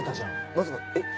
まさかえっ？